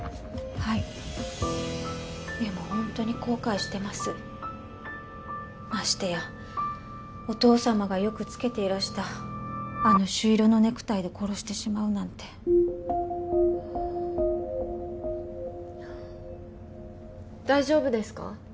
はいでも本当に後悔してますましてやお義父様がよくつけていらしたあの朱色のネクタイで殺してしまうなんて大丈夫ですか？